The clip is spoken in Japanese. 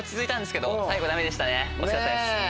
惜しかったです。